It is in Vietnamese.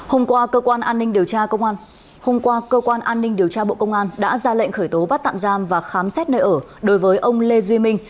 hôm qua cơ quan an ninh điều tra bộ công an đã ra lệnh khởi tố bắt tạm giam và khám xét nơi ở đối với ông lê duy minh